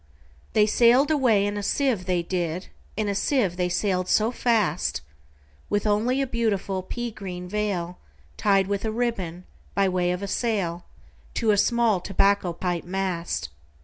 They sail'd away in a sieve, they did, In a sieve they sail'd so fast, With only a beautiful pea green veilTied with a ribbon, by way of a sail, To a small tobacco pipe mast.